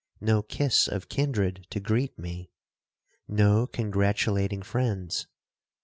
—no kiss of kindred to greet me!—no congratulating friends!'